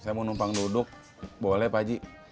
saya mau numpang duduk boleh pak haji